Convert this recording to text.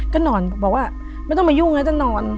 ก็นอนบอกว่าไม่ต้องมายุ่งนะจะนอน